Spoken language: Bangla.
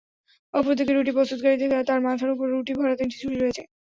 অপর দিকে রুটি প্রস্তুতকারী দেখে, তার মাথার উপর রুটি ভরা তিনটি ঝুড়ি রয়েছে।